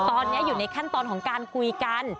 ตอนนี้อยู่ในขั้นตอนของการคุยกัน